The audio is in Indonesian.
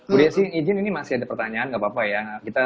bu desi izin ini masih ada pertanyaan nggak apa apa ya